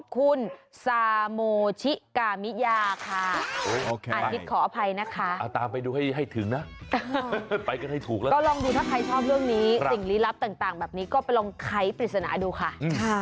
คุณซาโมชิกามิยาค่ะอาทิตย์ขออภัยนะคะตามไปดูให้ถึงนะไปกันให้ถูกแล้วก็ลองดูถ้าใครชอบเรื่องนี้สิ่งลี้ลับต่างแบบนี้ก็ไปลองไขปริศนาดูค่ะ